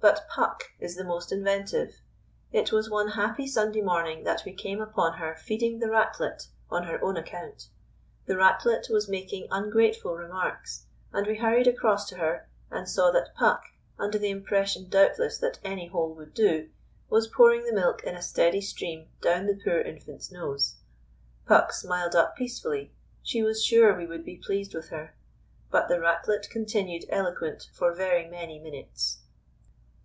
But Puck is the most inventive. It was one happy Sunday morning that we came upon her feeding the Ratlet on her own account. The Ratlet was making ungrateful remarks; and we hurried across to her and saw that Puck, under the impression doubtless that any hole would do, was pouring the milk in a steady stream down the poor infant's nose. Puck smiled up peacefully. She was sure we would be pleased with her. But the Ratlet continued eloquent for very many minutes.